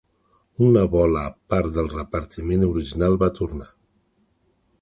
Una bola part del repartiment original va tornar.